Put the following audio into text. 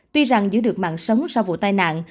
tuy rằng giữ được mạng sống sau vụ tai nạn